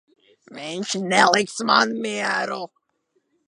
Viņš neliks man mieru.